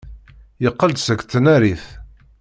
Yeqqel-d seg tnarit.